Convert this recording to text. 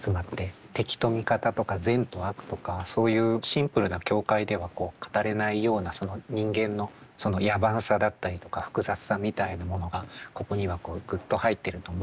敵と味方とか善と悪とかそういうシンプルな境界では語れないようなその人間の野蛮さだったりとか複雑さみたいなものがここにはこうグッと入ってると思うんですが。